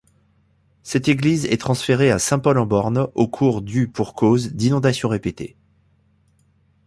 Cette église est transférée à Saint-Paul-en-Born au cours du pour cause d'inondations répétées.